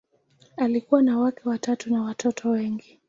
Alikuwa na wake watatu na watoto wengi.